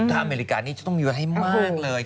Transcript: ถ้าอเมริกานี่จะต้องมีให้มากเลย